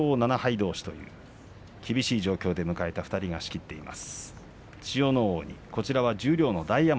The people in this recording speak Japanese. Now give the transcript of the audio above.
どうし厳しい状況で迎えた２人が仕切っています。